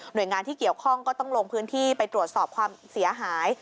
โดยงานที่เกี่ยวข้องก็ต้องลงพื้นที่ไปตรวจสอบความเสียหาย